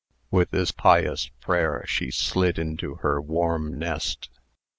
With this pious prayer, she slid into her warm nest.